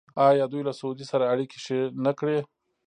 آیا دوی له سعودي سره اړیکې ښې نه کړې؟